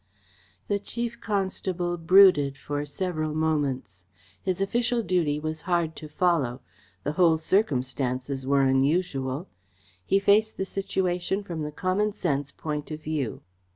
The Chief Constable brooded for several moments. His official duty was hard to follow. The whole circumstances were unusual. He faced the situation from the common sense point of view.